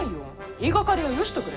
言いがかりはよしとくれ。